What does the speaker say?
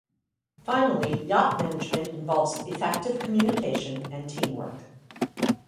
Finally, yacht management involves effective communication and teamwork.